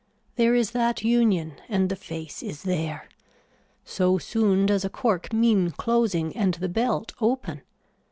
There is that union and the face is there. So soon does a cork mean closing and the belt open.